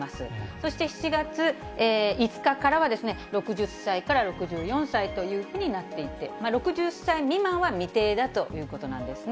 そして７月５日からは、６０歳から６４歳というふうになっていて、６０歳未満は未定だということなんですね。